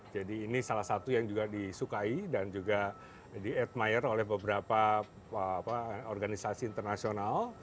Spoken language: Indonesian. jadi ini salah satu yang juga disukai dan juga di admire oleh beberapa organisasi internasional